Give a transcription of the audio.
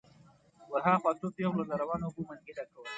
ور هاخوا څو پېغلو له روانو اوبو منګي ډکول.